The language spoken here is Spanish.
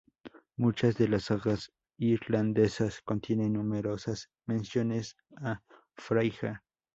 Muchas de las sagas islandesas contienen numerosas menciones a Freyja.